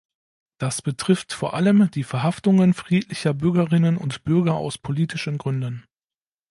Das betrifft vor allem die Verhaftungen friedlicher Bürgerinnen und Bürger aus politischen Gründen.